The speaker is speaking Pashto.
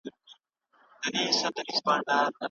پایلې باید شریکې شي.